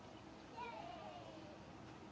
สวัสดีครับทุกคน